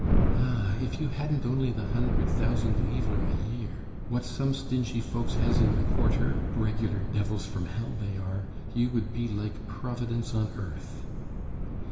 "Ah, if you hadn't only the hundred thousand livres a year, what some stingy folks has in the quarter (regular devils from hell they are), you would be like Providence on earth."